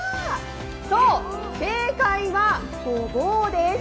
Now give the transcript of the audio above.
そう、正解はごぼうです。